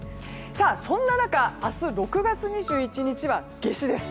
そんな中、明日６月２１日は夏至です。